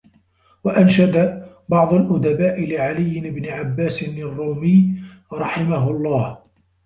وَأَنْشَدَ بَعْضُ الْأُدَبَاءِ لِعَلِيِّ بْنِ عَبَّاسٍ الرُّومِيِّ رَحِمَهُ اللَّهُ